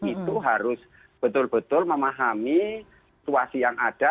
itu harus betul betul memahami situasi yang ada